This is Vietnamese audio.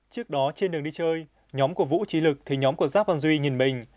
trước đó trên đường đi chơi nhóm của vũ trí lực thì nhóm của giáp văn duy nhìn mình